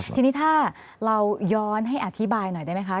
ทีนี้ถ้าเราย้อนให้อธิบายหน่อยได้ไหมคะ